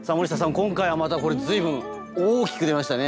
今回はまたこれ随分大きく出ましたね。